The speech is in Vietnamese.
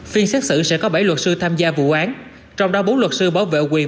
phiên xét xử sẽ có bảy luật sư tham gia vụ án trong đó bốn luật sư bảo vệ quyền